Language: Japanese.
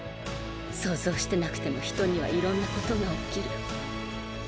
想像してなくても人にはいろんなことが起きる。